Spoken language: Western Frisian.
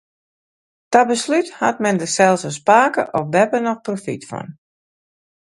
Ta beslút hat men der sels as pake of beppe noch profyt fan.